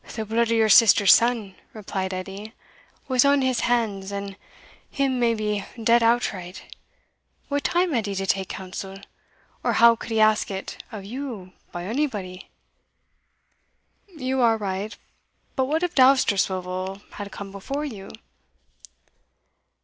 "The blood o' your sister's son," replied Edie, "was on his hands, and him maybe dead outright what time had he to take counsel? or how could he ask it of you, by onybody?" "You are right. But what if Dousterswivel had come before you?"